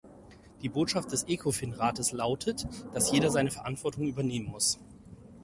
Die Botschaft des Ecofin-Rates lautet, dass jeder seine Verantwortung übernehmen muss.